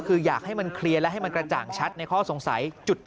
คืออยากให้มันเคลียร์และให้มันกระจ่างชัดในข้อสงสัย